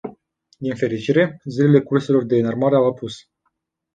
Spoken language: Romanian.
Din fericire, zilele curselor de înarmare au apus.